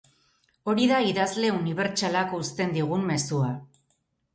Hori da idazle unibertsalak uzten digun mezua.